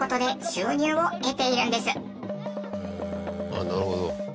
あっなるほど。